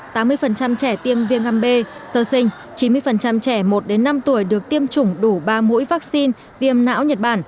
tám mươi trẻ tiêm viêm gan b sơ sinh chín mươi trẻ một năm tuổi được tiêm chủng đủ ba mũi vaccine viêm não nhật bản